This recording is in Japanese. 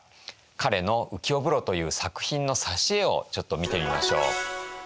彼の「浮世風呂」という作品の挿絵をちょっと見てみましょう。